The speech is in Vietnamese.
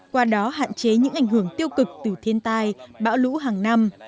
qua đó hạn chế những ảnh hưởng tiêu cực từ thiên tai bão lũ hàng năm